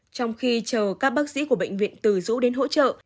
trong khi chờ các bác sĩ của bệnh viện từ dũ đến hỗ trợ